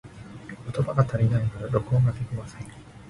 言葉が足りないので、録音ができません。